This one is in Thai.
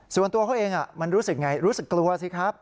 ส่วนตัวเขาเองมันรู้สึกไงรู้สึกกลัวสิครับ